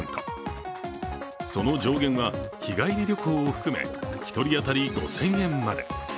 その上限は日帰り旅行を含め１人当たり５０００円まで。